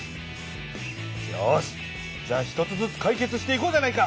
よしじゃあ１つずつかい決していこうじゃないか。